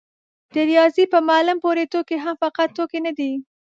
د رياضي په معلم پورې ټوکې هم فقط ټوکې نه دي.